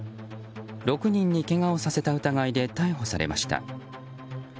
６人にけがをさせた疑いで逮捕されました。